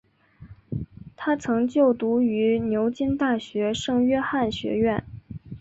他曾就读于牛津大学圣约翰学院。